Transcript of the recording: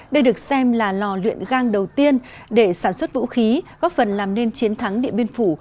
đây được xem là lò luyện gang đầu tiên để sản xuất vũ khí góp phần làm nên chiến thắng điện biên phủ